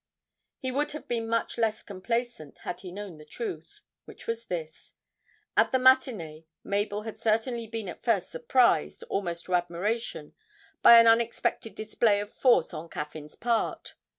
He would have been much less complacent had he known the truth, which was this. At the matinée Mabel had certainly been at first surprised almost to admiration by an unexpected display of force on Caffyn's part.